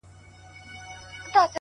پرمختګ د ثابتې ارادې محصول دی’